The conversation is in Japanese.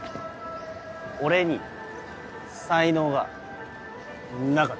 俺に才能がなかった。